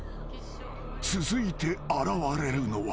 ［続いて現れるのは］